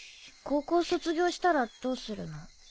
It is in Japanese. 高校卒業したらどうするの？